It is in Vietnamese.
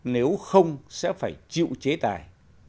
nếu không sẽ phải chịu chế tài